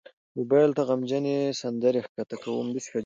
موبایل ته غمجن سندرې ښکته کوم.